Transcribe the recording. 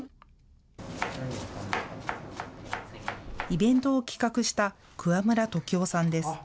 イベントを企画した桑村時生さんです。